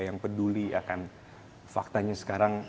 yang peduli akan faktanya sekarang